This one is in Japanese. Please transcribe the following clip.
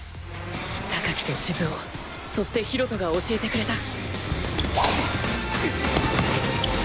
と静雄そして博人が教えてくれた